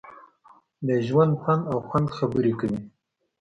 د ژوند، پند او خوند خبرې کوي.